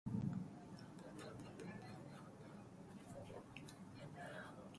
کادرهای حزب و دولت ما باید در رفع مشکلات مردم مدد شان باشند.